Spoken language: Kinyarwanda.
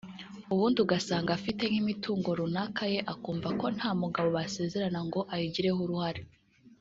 ubundi ugasanga afite nk’imitungo runaka ye akumva nta mugabo basezerana ngo ayigireho uruhare